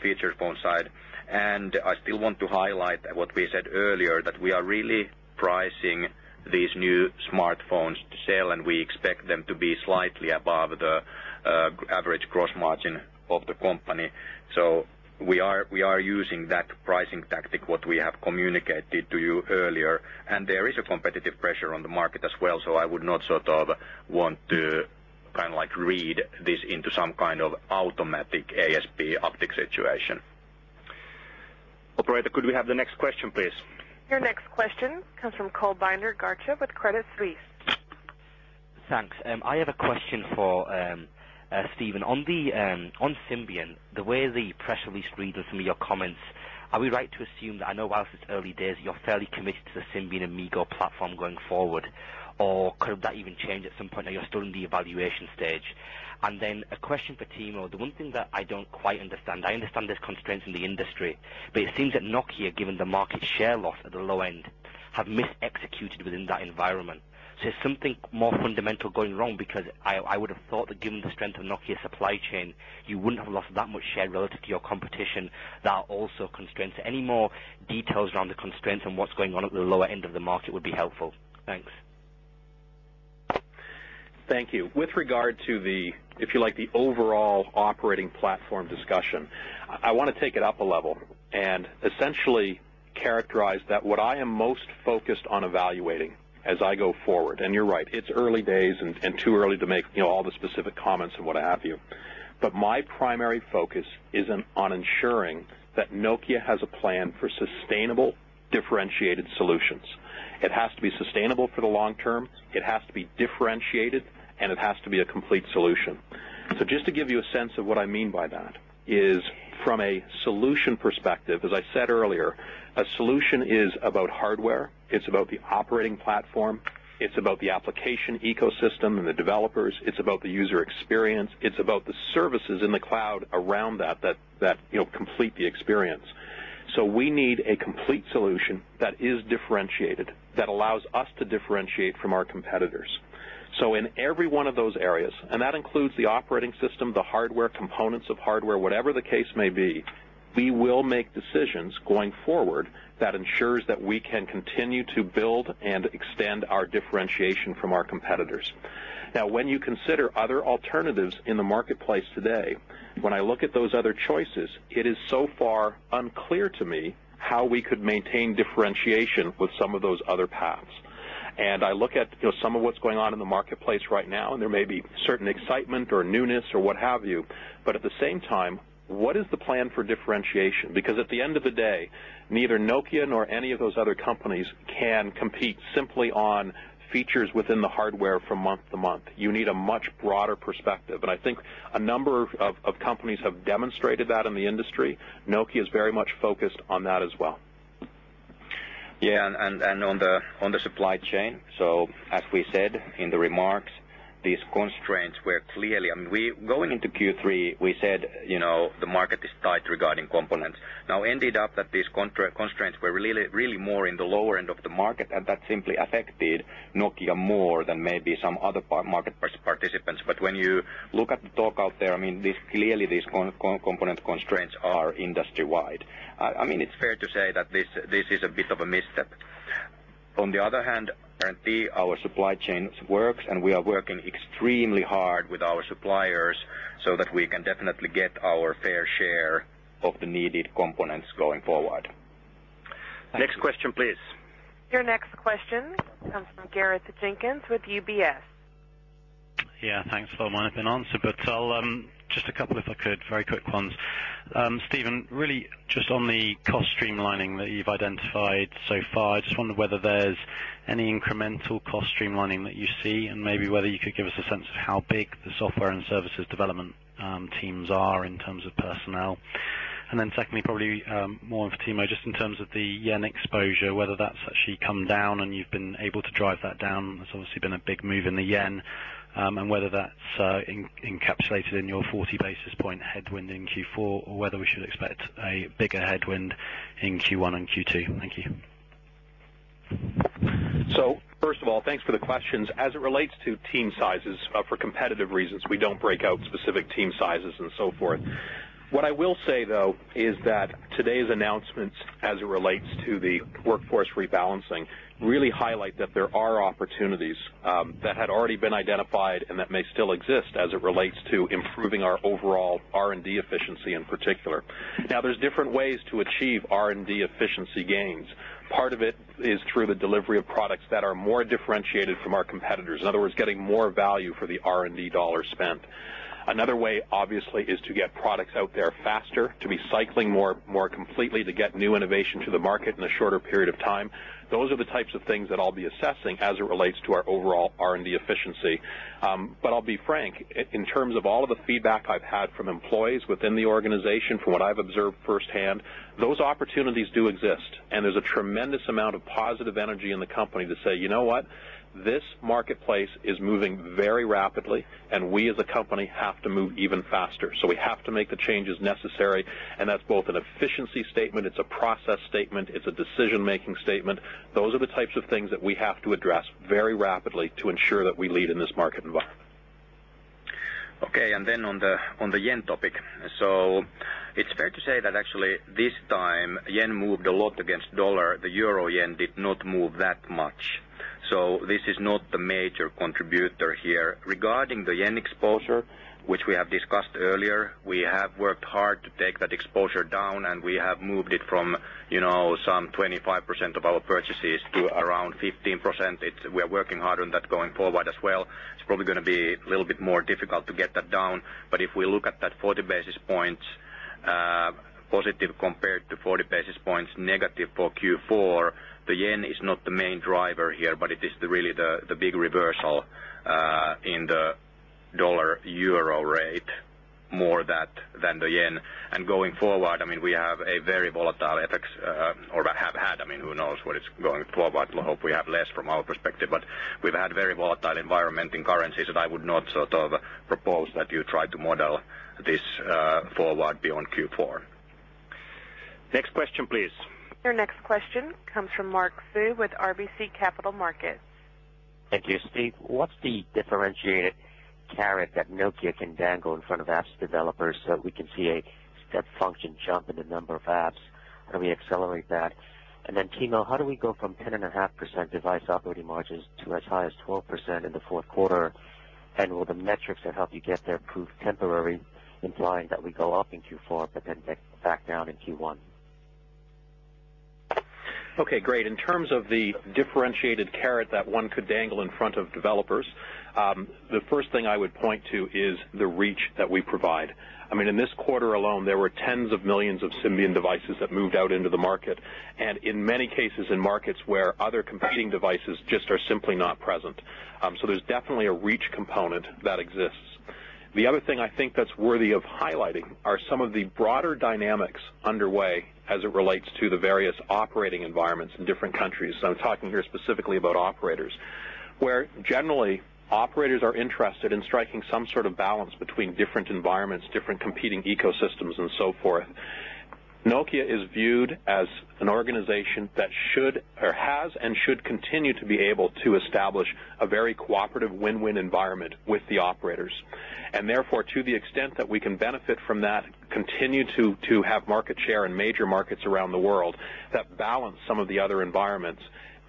[SPEAKER 4] feature phone side. And I still want to highlight what we said earlier, that we are really pricing these new smartphones to sell, and we expect them to be slightly above the average gross margin of the company. So we are using that pricing tactic, what we have communicated to you earlier, and there is a competitive pressure on the market as well, so I would not sort of want to kind of read this into some kind of automatic ASP uptick situation.
[SPEAKER 3] Operator, could we have the next question, please?
[SPEAKER 1] Your next question comes from Kulbinder Garcha with Credit Suisse.
[SPEAKER 9] Thanks. I have a question for Stephen. On Symbian, the way the press release reads to me, your comments, are we right to assume that you know whilst it's early days, you're fairly committed to the Symbian and MeeGo platform going forward, or could that even change at some point? Are you still in the evaluation stage? And then a question for Timo. The one thing that I don't quite understand, I understand there's constraints in the industry, but it seems that Nokia, given the market share loss at the low end, have mis-executed within that environment. So is something more fundamental going wrong? Because I would have thought that given the strength of Nokia's supply chain, you wouldn't have lost that much share relative to your competition. That also constraints it. Any more details around the constraints and what's going on at the lower end of the market would be helpful. Thanks.
[SPEAKER 3] Thank you. With regard to the, if you like, the overall operating platform discussion, I want to take it up a level and essentially characterize that what I am most focused on evaluating as I go forward. And you're right, it's early days and too early to make all the specific comments and what have you. But my primary focus is on ensuring that Nokia has a plan for sustainable differentiated solutions. It has to be sustainable for the long term. It has to be differentiated, and it has to be a complete solution. So just to give you a sense of what I mean by that is, from a solution perspective, as I said earlier, a solution is about hardware. It's about the operating platform. It's about the application ecosystem and the developers. It's about the user experience. It's about the services in the cloud around that that complete the experience. So we need a complete solution that is differentiated, that allows us to differentiate from our competitors. So in every one of those areas, and that includes the operating system, the hardware, components of hardware, whatever the case may be, we will make decisions going forward that ensures that we can continue to build and extend our differentiation from our competitors. Now, when you consider other alternatives in the marketplace today, when I look at those other choices, it is so far unclear to me how we could maintain differentiation with some of those other paths. And I look at some of what's going on in the marketplace right now, and there may be certain excitement or newness or what have you, but at the same time, what is the plan for differentiation? Because at the end of the day, neither Nokia nor any of those other companies can compete simply on features within the hardware from month to month. You need a much broader perspective, and I think a number of companies have demonstrated that in the industry. Nokia is very much focused on that as well.
[SPEAKER 4] Yeah. On the supply chain, so as we said in the remarks, these constraints were clearly—I mean, going into Q3, we said the market is tight regarding components. Now, it ended up that these constraints were really more in the lower end of the market, and that simply affected Nokia more than maybe some other market participants. But when you look at the talk out there, I mean, clearly these component constraints are industry-wide. I mean, it's fair to say that this is a bit of a misstep. On the other hand, guarantee our supply chain works, and we are working extremely hard with our suppliers so that we can definitely get our fair share of the needed components going forward.
[SPEAKER 3] Thanks. Next question, please.
[SPEAKER 1] Your next question comes from Gareth Jenkins with UBS.
[SPEAKER 10] Yeah. Thanks for my open answer, but just a couple, if I could, very quick ones. Stephen, really just on the cost streamlining that you've identified so far, I just wondered whether there's any incremental cost streamlining that you see and maybe whether you could give us a sense of how big the software and services development teams are in terms of personnel. And then secondly, probably more for Timo, just in terms of the yen exposure, whether that's actually come down and you've been able to drive that down. It's obviously been a big move in the yen, and whether that's encapsulated in your 40 basis points headwind in Q4 or whether we should expect a bigger headwind in Q1 and Q2. Thank you.
[SPEAKER 3] First of all, thanks for the questions. As it relates to team sizes, for competitive reasons, we don't break out specific team sizes and so forth. What I will say, though, is that today's announcements, as it relates to the workforce rebalancing, really highlight that there are opportunities that had already been identified and that may still exist as it relates to improving our overall R&D efficiency in particular. Now, there's different ways to achieve R&D efficiency gains. Part of it is through the delivery of products that are more differentiated from our competitors. In other words, getting more value for the R&D dollar spent. Another way, obviously, is to get products out there faster, to be cycling more completely, to get new innovation to the market in a shorter period of time. Those are the types of things that I'll be assessing as it relates to our overall R&D efficiency. But I'll be frank, in terms of all of the feedback I've had from employees within the organization, from what I've observed firsthand, those opportunities do exist, and there's a tremendous amount of positive energy in the company to say, "You know what? This marketplace is moving very rapidly, and we as a company have to move even faster. So we have to make the changes necessary," and that's both an efficiency statement, it's a process statement, it's a decision-making statement. Those are the types of things that we have to address very rapidly to ensure that we lead in this market environment.
[SPEAKER 4] Okay. And then on the yen topic, so it's fair to say that actually this time, yen moved a lot against dollar. The euro yen did not move that much. So this is not the major contributor here. Regarding the yen exposure, which we have discussed earlier, we have worked hard to take that exposure down, and we have moved it from some 25% of our purchases to around 15%. We are working hard on that going forward as well. It's probably going to be a little bit more difficult to get that down, but if we look at that 40 basis points positive compared to 40 basis points negative for Q4, the yen is not the main driver here, but it is really the big reversal in the dollar-euro rate, more than the yen. And going forward, I mean, we have a very volatile FX or have had. I mean, who knows what it's going forward? I hope we have less from our perspective, but we've had very volatile environment in currencies, and I would not sort of propose that you try to model this forward beyond Q4.
[SPEAKER 3] Next question, please.
[SPEAKER 1] Your next question comes from Mark Sue with RBC Capital Markets.
[SPEAKER 11] Thank you, Steve. What's the differentiated carrot that Nokia can dangle in front of apps developers so that we can see a step function jump in the number of apps? How do we accelerate that? And then Timo, how do we go from 10.5% device operating margins to as high as 12% in the fourth quarter, and will the metrics that help you get there prove temporary, implying that we go up in Q4 but then get back down in Q1?
[SPEAKER 3] Okay. Great. In terms of the differentiated carrot that one could dangle in front of developers, the first thing I would point to is the reach that we provide. I mean, in this quarter alone, there were tens of millions of Symbian devices that moved out into the market, and in many cases, in markets where other competing devices just are simply not present. So there's definitely a reach component that exists. The other thing I think that's worthy of highlighting are some of the broader dynamics underway as it relates to the various operating environments in different countries. So I'm talking here specifically about operators, where generally, operators are interested in striking some sort of balance between different environments, different competing ecosystems, and so forth. Nokia is viewed as an organization that should or has and should continue to be able to establish a very cooperative win-win environment with the operators. And therefore, to the extent that we can benefit from that, continue to have market share in major markets around the world that balance some of the other environments,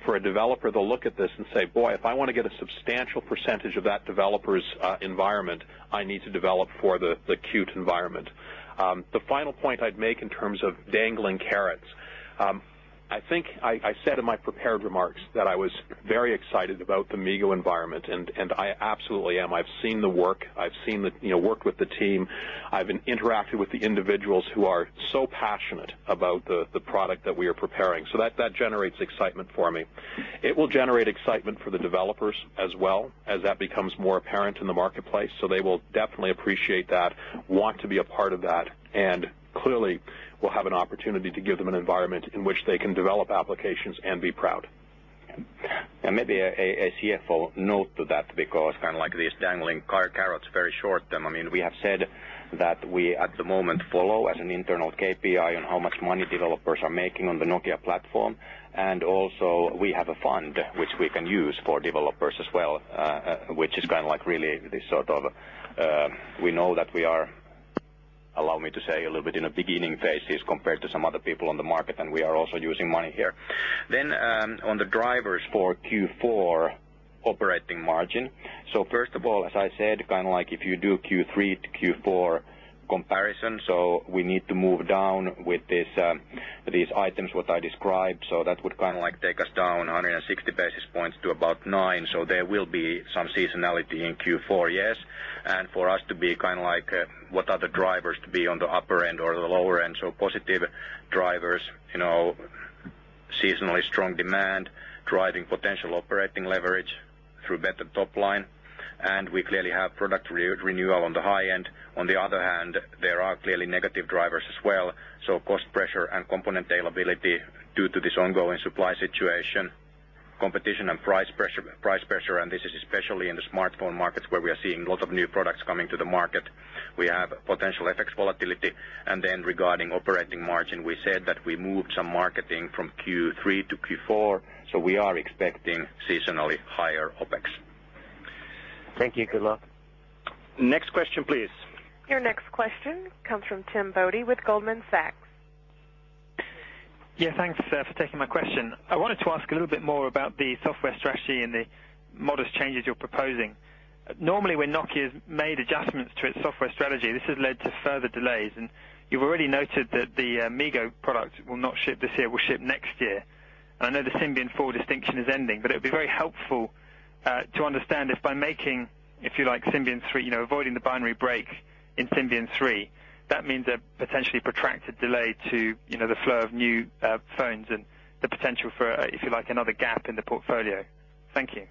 [SPEAKER 3] for a developer, they'll look at this and say, "Boy, if I want to get a substantial percentage of that developer's environment, I need to develop for the Q2 environment." The final point I'd make in terms of dangling carrots, I think I said in my prepared remarks that I was very excited about the MeeGo environment, and I absolutely am. I've seen the work. I've worked with the team. I've interacted with the individuals who are so passionate about the product that we are preparing, so that generates excitement for me. It will generate excitement for the developers as well as that becomes more apparent in the marketplace, so they will definitely appreciate that, want to be a part of that, and clearly will have an opportunity to give them an environment in which they can develop applications and be proud.
[SPEAKER 4] Maybe a careful note to that because kind of like these dangling carrots, very short them. I mean, we have said that we at the moment follow as an internal KPI on how much money developers are making on the Nokia platform, and also we have a fund which we can use for developers as well, which is kind of like really this sort of we know that we are, allow me to say, a little bit in a beginning phases compared to some other people on the market, and we are also using money here. Then on the drivers for Q4 operating margin, so first of all, as I said, kind of like if you do Q3 to Q4 comparison, so we need to move down with these items, what I described, so that would kind of like take us down 160 basis points to about 9%. So there will be some seasonality in Q4, yes. For us to be kind of like what are the drivers to be on the upper end or the lower end? So positive drivers, seasonally strong demand, driving potential operating leverage through better top line, and we clearly have product renewal on the high end. On the other hand, there are clearly negative drivers as well, so cost pressure and component availability due to this ongoing supply situation, competition and price pressure, and this is especially in the smartphone markets where we are seeing a lot of new products coming to the market. We have potential FX volatility. And then regarding operating margin, we said that we moved some marketing from Q3 to Q4, so we are expecting seasonally higher OpEx.
[SPEAKER 11] Thank you. Good luck.
[SPEAKER 3] Next question, please.
[SPEAKER 1] Your next question comes from Tim Boddy with Goldman Sachs.
[SPEAKER 12] Yeah. Thanks for taking my question. I wanted to ask a little bit more about the software strategy and the modest changes you're proposing. Normally, when Nokia's made adjustments to its software strategy, this has led to further delays. And you've already noted that the MeeGo product will not ship this year, will ship next year. And I know the Symbian^4 distinction is ending, but it would be very helpful to understand if by making, if you like, Symbian^3, avoiding the binary break in Symbian^3, that means a potentially protracted delay to the flow of new phones and the potential for, if you like, another gap in the portfolio. Thank you.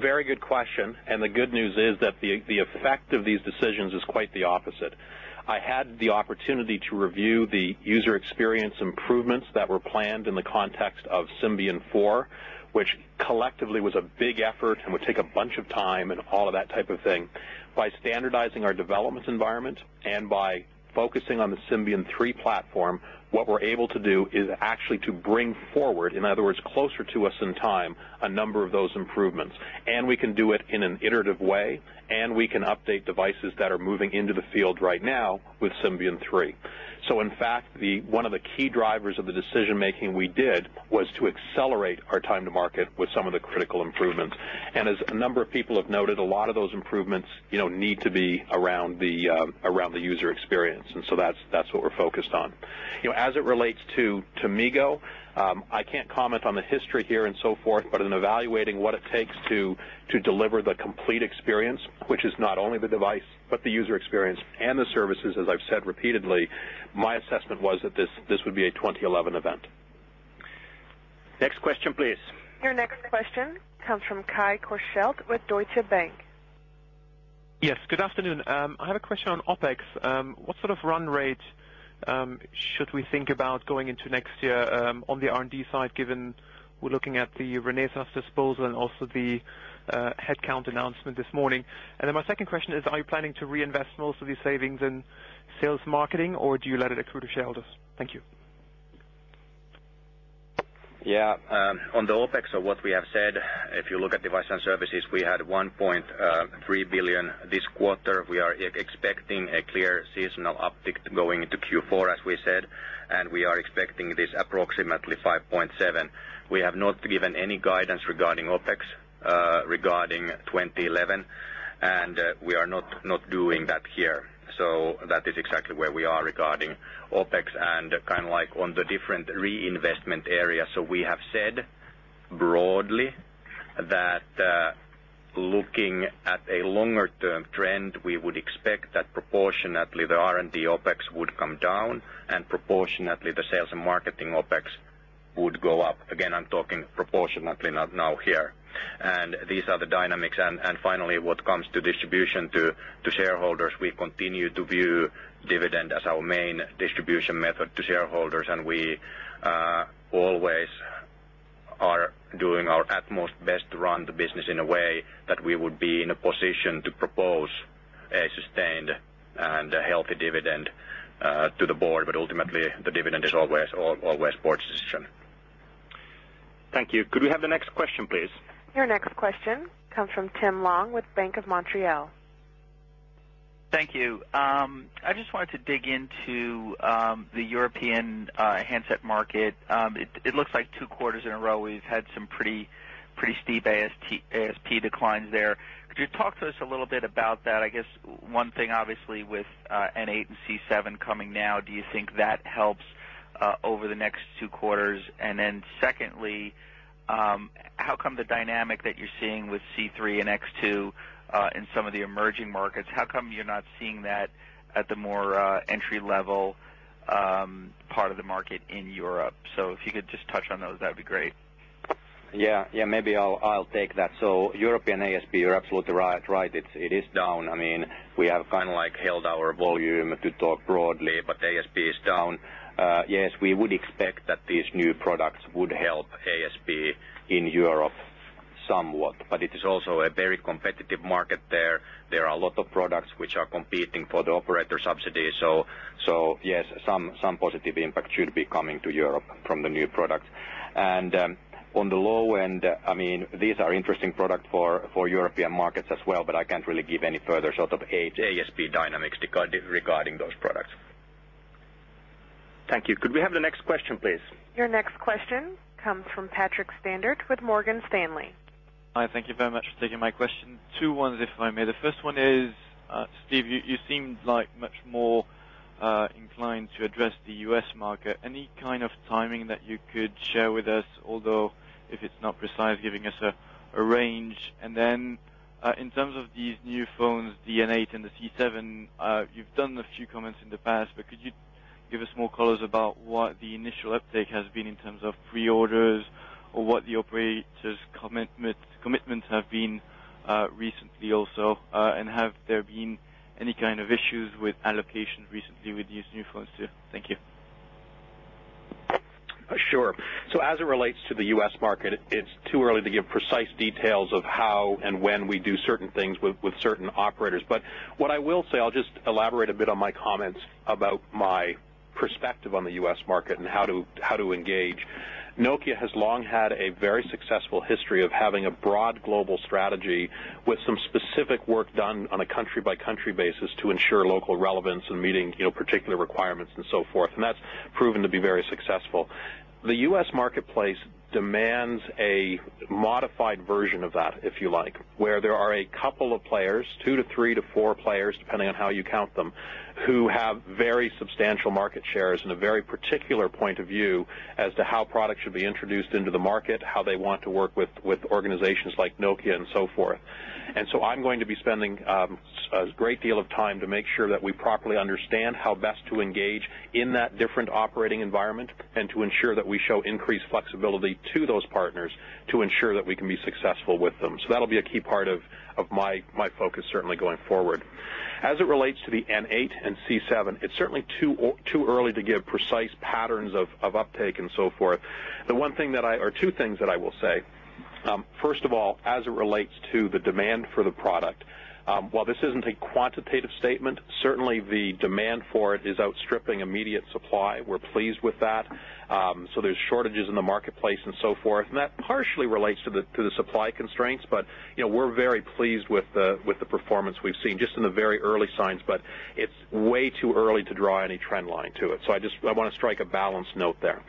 [SPEAKER 3] Very good question. And the good news is that the effect of these decisions is quite the opposite. I had the opportunity to review the user experience improvements that were planned in the context of Symbian^4, which collectively was a big effort and would take a bunch of time and all of that type of thing. By standardizing our development environment and by focusing on the Symbian^3 platform, what we're able to do is actually to bring forward, in other words, closer to us in time, a number of those improvements. And we can do it in an iterative way, and we can update devices that are moving into the field right now with Symbian^3. So in fact, one of the key drivers of the decision-making we did was to accelerate our time to market with some of the critical improvements. As a number of people have noted, a lot of those improvements need to be around the user experience, and so that's what we're focused on. As it relates to MeeGo, I can't comment on the history here and so forth, but in evaluating what it takes to deliver the complete experience, which is not only the device but the user experience and the services, as I've said repeatedly, my assessment was that this would be a 2011 event. Next question, please.
[SPEAKER 1] Your next question comes from Kai Korschelt with Deutsche Bank.
[SPEAKER 13] Yes. Good afternoon. I have a question on OpEx. What sort of run rate should we think about going into next year on the R&D side, given we're looking at the Renesas disposal and also the headcount announcement this morning? And then my second question is, are you planning to reinvest most of these savings in sales marketing, or do you let it accrue to shareholders? Thank you.
[SPEAKER 4] Yeah. On the OpEx or what we have said, if you look at device and services, we had 1.3 billion this quarter. We are expecting a clear seasonal uptick going into Q4, as we said, and we are expecting this approximately 5.7 billion. We have not given any guidance regarding OPEx regarding 2011, and we are not doing that here. So that is exactly where we are regarding OpEx. And kind of like on the different reinvestment areas, so we have said broadly that looking at a longer-term trend, we would expect that proportionately the R&D OpEx would come down and proportionately the sales and marketing OpEx would go up. Again, I'm talking proportionately now here. And these are the dynamics. Finally, what comes to distribution to shareholders, we continue to view dividend as our main distribution method to shareholders, and we always are doing our utmost best to run the business in a way that we would be in a position to propose a sustained and healthy dividend to the board. Ultimately, the dividend is always board's decision.
[SPEAKER 3] Thank you. Could we have the next question, please?
[SPEAKER 1] Your next question comes from Tim Long with Bank of Montreal.
[SPEAKER 14] Thank you. I just wanted to dig into the European handset market. It looks like two quarters in a row we've had some pretty steep ASP declines there. Could you talk to us a little bit about that? I guess one thing, obviously, with N8 and C7 coming now, do you think that helps over the next two quarters? And then secondly, how come the dynamic that you're seeing with C3 and X2 in some of the emerging markets, how come you're not seeing that at the more entry-level part of the market in Europe? So if you could just touch on those, that would be great.
[SPEAKER 4] Yeah. Yeah. Maybe I'll take that. So European ASP, you're absolutely right. It is down. I mean, we have kind of like held our volume to talk broadly, but ASP is down. Yes, we would expect that these new products would help ASP in Europe somewhat, but it is also a very competitive market there. There are a lot of products which are competing for the operator subsidy, so yes, some positive impact should be coming to Europe from the new products. And on the low end, I mean, these are interesting products for European markets as well, but I can't really give any further sort of ASP dynamics regarding those products.
[SPEAKER 3] Thank you. Could we have the next question, please?
[SPEAKER 1] Your next question comes from Patrick Standaert with Morgan Stanley.
[SPEAKER 15] Hi. Thank you very much for taking my question. Two ones, if I may. The first one is, Steve, you seemed like much more inclined to address the U.S. market. Any kind of timing that you could share with us, although if it's not precise, giving us a range? And then in terms of these new phones, the N8 and the C7, you've done a few comments in the past, but could you give us more colors about what the initial uptake has been in terms of pre-orders or what the operator's commitments have been recently also, and have there been any kind of issues with allocation recently with these new phones too? Thank you.
[SPEAKER 3] Sure. So as it relates to the U.S. market, it's too early to give precise details of how and when we do certain things with certain operators. But what I will say, I'll just elaborate a bit on my comments about my perspective on the U.S. market and how to engage. Nokia has long had a very successful history of having a broad global strategy with some specific work done on a country-by-country basis to ensure local relevance and meeting particular requirements and so forth, and that's proven to be very successful. The U.S. marketplace demands a modified version of that, if you like, where there are a couple of players, 2-3 to 4 players, depending on how you count them, who have very substantial market shares and a very particular point of view as to how products should be introduced into the market, how they want to work with organizations like Nokia, and so forth. And so I'm going to be spending a great deal of time to make sure that we properly understand how best to engage in that different operating environment and to ensure that we show increased flexibility to those partners to ensure that we can be successful with them. So that'll be a key part of my focus, certainly, going forward. As it relates to the N8 and C7, it's certainly too early to give precise patterns of uptake and so forth. The one thing that I or two things that I will say. First of all, as it relates to the demand for the product, while this isn't a quantitative statement, certainly, the demand for it is outstripping immediate supply. We're pleased with that. So there's shortages in the marketplace and so forth, and that partially relates to the supply constraints, but we're very pleased with the performance we've seen, just in the very early signs, but it's way too early to draw any trend line to it. So I want to strike a balanced note there.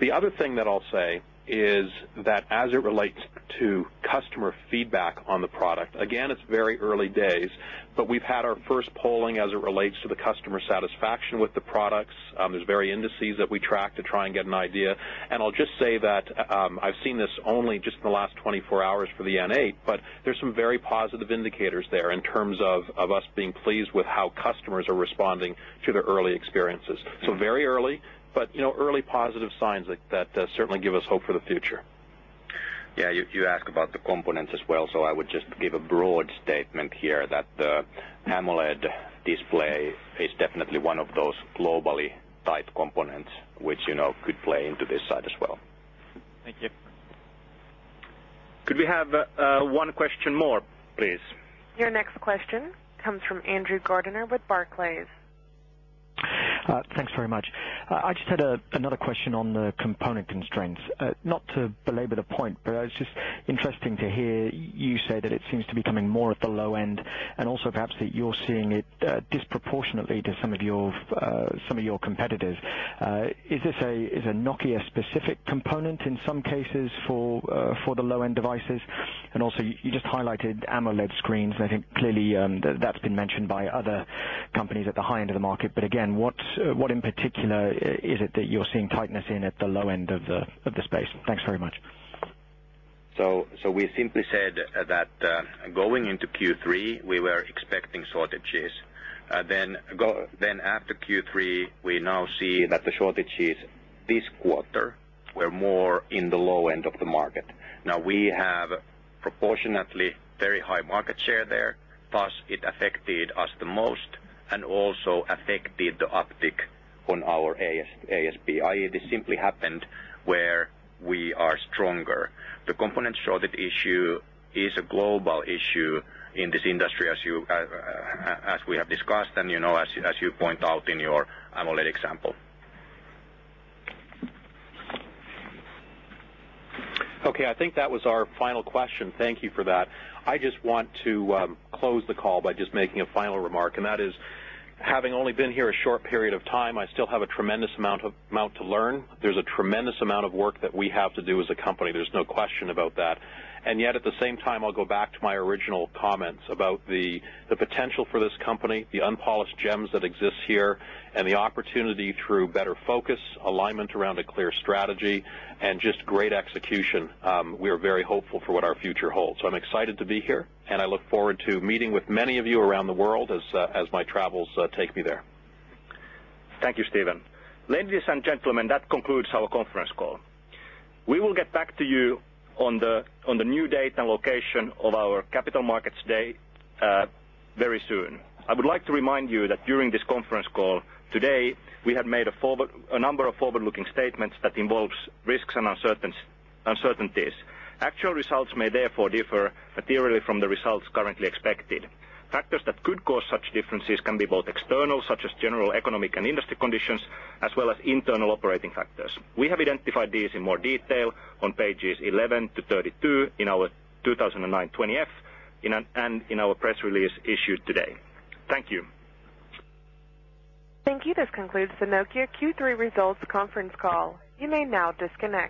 [SPEAKER 3] The other thing that I'll say is that as it relates to customer feedback on the product, again, it's very early days, but we've had our first polling as it relates to the customer satisfaction with the products. There's various indices that we track to try and get an idea. I'll just say that I've seen this only just in the last 24 hours for the N8, but there's some very positive indicators there in terms of us being pleased with how customers are responding to their early experiences. Very early, but early positive signs that certainly give us hope for the future.
[SPEAKER 4] Yeah. You asked about the components as well, so I would just give a broad statement here that the AMOLED display is definitely one of those globally tight components which could play into this side as well.
[SPEAKER 15] Thank you.
[SPEAKER 3] Could we have one question more, please?
[SPEAKER 1] Your next question comes from Andrew Gardiner with Barclays.
[SPEAKER 16] Thanks very much. I just had another question on the component constraints. Not to belabor the point, but it's just interesting to hear you say that it seems to be coming more at the low end and also perhaps that you're seeing it disproportionately to some of your competitors. Is this a Nokia-specific component in some cases for the low-end devices? And also, you just highlighted AMOLED screens, and I think clearly that's been mentioned by other companies at the high end of the market. But again, what in particular is it that you're seeing tightness in at the low end of the space? Thanks very much.
[SPEAKER 4] So we simply said that going into Q3, we were expecting shortages. Then after Q3, we now see that the shortages this quarter were more in the low end of the market. Now, we have proportionately very high market share there, thus it affected us the most and also affected the uptick on our ASP. I mean, this simply happened where we are stronger. The component shortage issue is a global issue in this industry, as we have discussed and as you point out in your AMOLED example.
[SPEAKER 3] Okay. I think that was our final question. Thank you for that. I just want to close the call by just making a final remark, and that is, having only been here a short period of time, I still have a tremendous amount to learn. There's a tremendous amount of work that we have to do as a company. There's no question about that. And yet, at the same time, I'll go back to my original comments about the potential for this company, the unpolished gems that exist here, and the opportunity through better focus, alignment around a clear strategy, and just great execution. We are very hopeful for what our future holds. So I'm excited to be here, and I look forward to meeting with many of you around the world as my travels take me there. Thank you, Stephen. Ladies and gentlemen, that concludes our conference call. We will get back to you on the new date and location of our Capital Markets Day very soon. I would like to remind you that during this conference call today, we have made a number of forward-looking statements that involve risks and uncertainties. Actual results may therefore differ materially from the results currently expected. Factors that could cause such differences can be both external, such as general economic and industry conditions, as well as internal operating factors. We have identified these in more detail on pages 11-32 in our 2009 20-F and in our press release issued today. Thank you.
[SPEAKER 1] Thank you. This concludes the Nokia Q3 Results Conference Call. You may now disconnect.